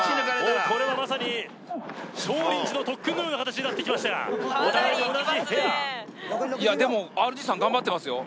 これはまさに少林寺の特訓のような形になってきましたがお互いに同じヘアでもＲＧさん頑張ってますよ